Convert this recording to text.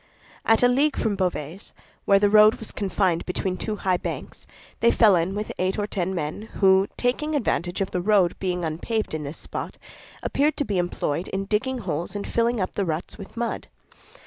At a league from Beauvais, where the road was confined between two high banks, they fell in with eight or ten men who, taking advantage of the road being unpaved in this spot, appeared to be employed in digging holes and filling up the ruts with mud.